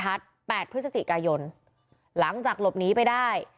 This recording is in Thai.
เขาบรรทัศน์๘พฤศจิกายนหลังจากลบนี้ไปได้